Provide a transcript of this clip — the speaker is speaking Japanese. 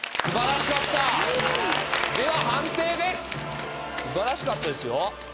素晴らしかったですよ。